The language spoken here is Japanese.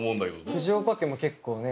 藤岡家も結構ね